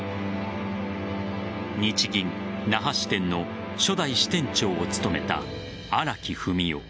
日銀那覇支店の初代支店長を務めた新木文雄。